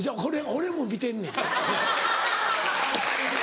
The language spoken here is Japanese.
俺も見てんねん。